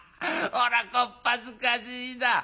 おらこっぱずかしいだ」。